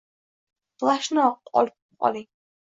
Plashni olib oling